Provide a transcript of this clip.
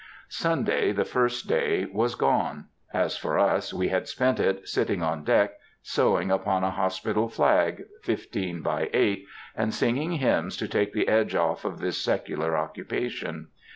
Sunday, the first day, was gone. As for us, we had spent it, sitting on deck, sewing upon a hospital flag, fifteen by eight, and singing hymns to take the edge off of this secular occupation.